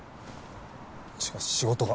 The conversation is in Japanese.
しかし仕事が。